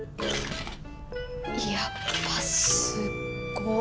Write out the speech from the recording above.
やっぱすっご。